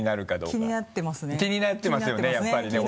気になってますよねやっぱりね。